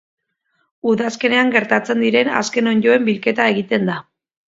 Udazkenean geratzen diren azken onddoen bilketa egiten da.